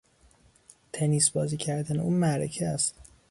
تنیس بازی کردن او معرکه است.